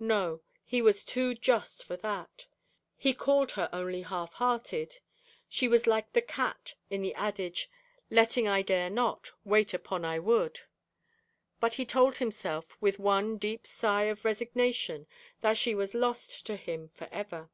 No, he was too just for that. He called her only half hearted. She was like the cat in the adage, 'Letting I dare not, wait upon I would.' But he told himself with one deep sigh of resignation that she was lost to him for ever.